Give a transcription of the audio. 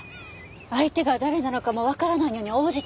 相手が誰なのかもわからないのに応じたの？